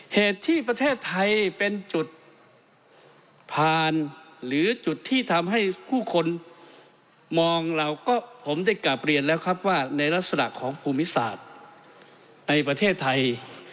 เหตุที่ประเทศไทยเป็นจุดผ่านหรือจุดที่ทำให้ผู้คนมองเราก็ผมได้กลับเรียนแล้วครับว่าในลักษณะของภูมิศาสตร์ในประเทศไทย